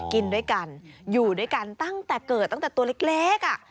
กินด้วยกันอยู่ด้วยกันตั้งแต่เกิดตั้งแต่ตัวเล็กอ่ะ